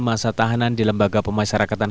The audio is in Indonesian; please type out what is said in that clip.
masa tahanan di lembaga pemasyarakatan